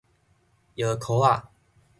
搖圈仔